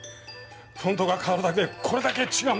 フォントが変わるだけでこれだけ違うんですね。